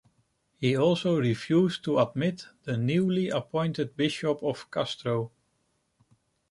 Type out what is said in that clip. He also refused to admit the newly appointed bishop of Castro.